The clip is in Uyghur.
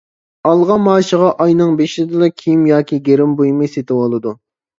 ئالغان مائاشىغا ئاينىڭ بېشىدىلا كىيىم ياكى گىرىم بۇيۇمى سېتىۋالىدۇ.